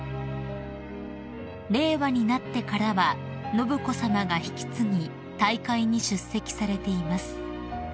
［令和になってからは信子さまが引き継ぎ大会に出席されています］